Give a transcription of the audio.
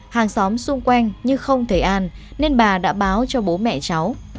hàng xóm xung quanh nhưng không thấy an nên bà đã báo cho bố mẹ cháu